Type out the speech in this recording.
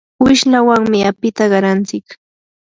wishlawanmi apita qarantsik.